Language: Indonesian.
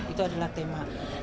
itu adalah tema